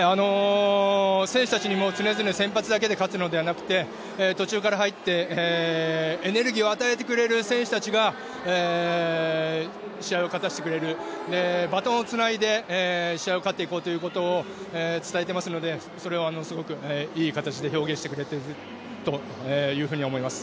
選手たちにも常々先発だけで勝つのではなくて途中から入ってエネルギーを与えてくれる選手たちが試合を勝たせてくれるバトンをつないで試合を勝っていこうということを伝えていますのでそれはすごくいい形で表現してくれたなと思います。